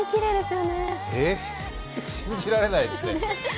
へえ信じられないですね。